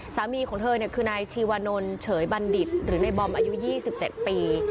สามีของเธอคือนายชีวานนท์เฉยบัณฑิตหรือในบอมอายุ๒๗ปี